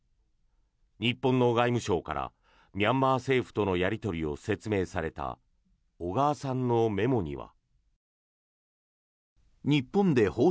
日本の外務省からミャンマー政府とのやり取りを説明された小川さんのメモには。